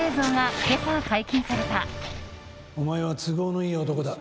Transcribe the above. お前は都合のいい男だ！